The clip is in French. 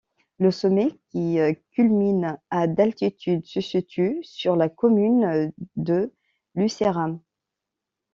Le sommet, qui culmine à d'altitude, se situe sur la commune de Lucéram.